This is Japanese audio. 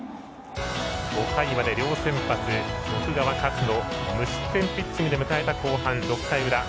５回まで両先発、奥川、勝野無失点ピッチングで迎えた後半６回裏。